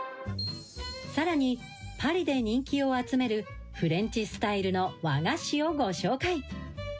さらに、パリで人気を集めるフレンチスタイルの和菓子をご紹介。